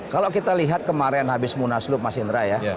kalau kita lihat kemarin habis munaslup mas indra ya